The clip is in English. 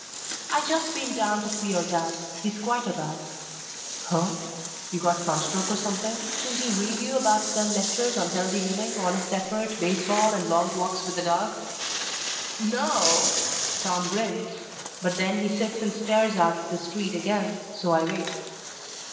"I just been down to see your dad. He's quite a guy." "Huh h h? You got sunstroke or something? Didn't he read you about ten lectures on Healthy Living, Honest Effort, Baseball, and Long Walks with a Dog?" "No o o." Tom grins, but then he sits and stares out at the street again, so I wait.